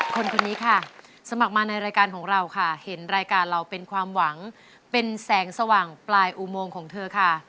คนนี้ค่ะสมัครมาในรายการของเราค่ะเห็นรายการเราเป็นความหวังเป็นแสงสว่างปลายอุโมงของเธอค่ะ